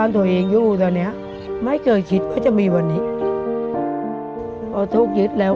ถูกหยิบไปแล้ว